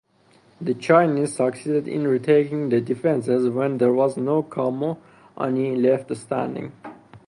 The Chinese succeeded in retaking the defences when there was no Kumaoni left standing.